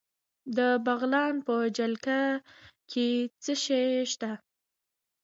د بغلان په جلګه کې څه شی شته؟